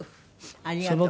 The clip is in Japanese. ありがとう。